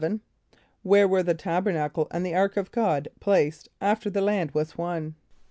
= Where were the Tabernacle and the ark of God placed after the land was won?